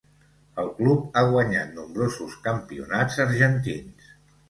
El club ha guanyat nombrosos campionats argentins.